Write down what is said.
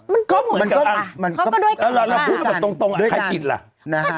มันก็เหมือนกันอ่ะเขาก็ด้วยกันอ่ะเราพูดแบบตรงตรงอ่ะใครปิดล่ะนะฮะ